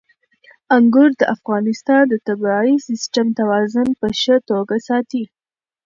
انګور د افغانستان د طبعي سیسټم توازن په ښه توګه ساتي.